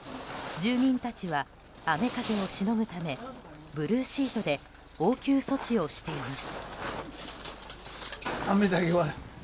住民たちは雨風をしのぐためブルーシートで応急措置をしています。